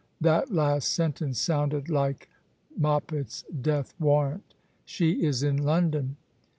That last sentence soimded like Moppet's deatli warrant. " She is in London."